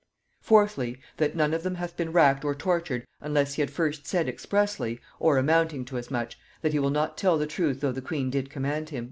"Fourthly, that none of them hath been racked or tortured unless he had first said expressly, or amounting to as much, that he will not tell the truth though the queen did command him."